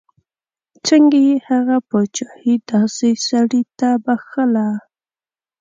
څنګه یې هغه پاچهي داسې سړي ته بخښله.